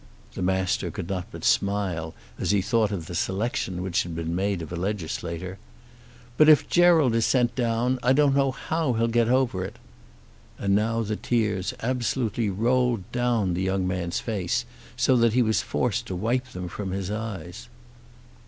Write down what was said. The Master could not but smile as he thought of the selection which had been made of a legislator. "But if Gerald is sent down, I don't know how he'll get over it." And now the tears absolutely rolled down the young man's face, so that he was forced to wipe them from his eyes.